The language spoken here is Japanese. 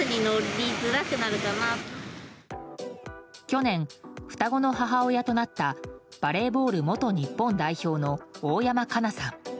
去年、双子の母親となったバレーボール元日本代表の大山加奈さん。